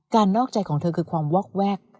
นอกใจของเธอคือความวอกแวก